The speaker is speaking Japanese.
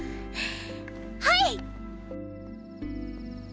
はい！！